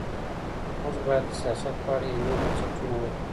موږ بايد د سياست په اړه علمي بنسټونه ولرو.